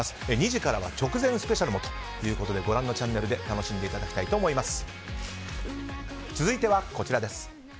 ２時からは直前スペシャルもということでご覧のチャンネルで楽しんでいただきたいと思います。